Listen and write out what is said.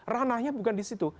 ranahnya bukan disitu